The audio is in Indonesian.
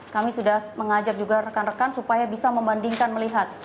kami sudah mengajak juga rekan rekan supaya bisa membandingkan melihat